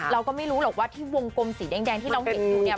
เราก็ไม่รู้หรอกว่าที่วงกลมสีแดงที่เราเห็นอยู่เนี่ย